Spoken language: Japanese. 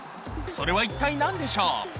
それは一体何でしょう？